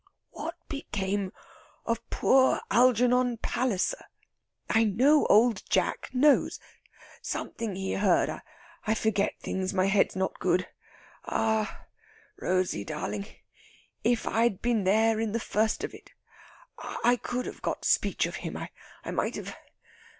"What became of poor Algernon Palliser.... I know Old Jack knows.... Something he heard.... I forget things ... my head's not good. Ah, Rosey darling! if I'd been there in the first of it ... I could have got speech of him. I might have